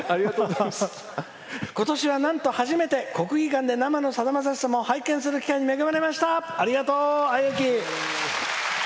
今年はなんと初めて国技館で生のさだまさし様を拝見する機会に恵まれました。